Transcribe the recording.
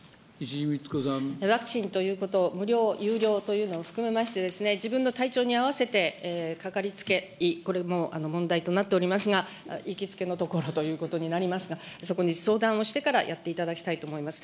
ワクチンということ、無料、有料というのも含めましてですね、自分の体調に合わせて、かかりつけ医、これも問題となっておりますが、行きつけのところということになりますが、そこに相談をしてからやっていただきたいと思います。